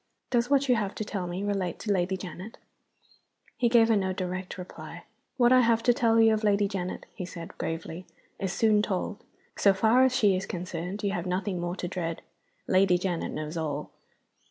"Does what you have to tell me relate to Lady Janet?" He gave her no direct reply. "What I have to tell you of Lady Janet," he said, gravely, "is soon told. So far as she is concerned you have nothing more to dread. Lady Janet knows all."